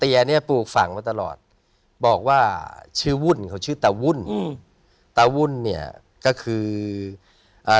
เนี้ยปลูกฝังมาตลอดบอกว่าชื่อวุ่นเขาชื่อตาวุ่นอืมตาวุ่นเนี้ยก็คืออ่า